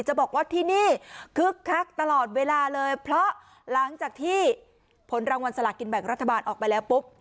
จะบอกว่าที่นี่คึกคักตลอดเวลาเลยเพราะหลังจากที่ผลรางวัลสลากินแบ่งรัฐบาลออกไปแล้วปุ๊บ